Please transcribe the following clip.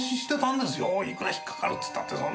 いくら引っかかるっていったってそんな。